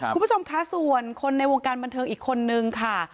คุณผู้ชมคะส่วนคนในวงการบันเทิงอีกคนนึงค่ะ